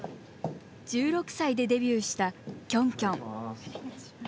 １６歳でデビューしたキョンキョン。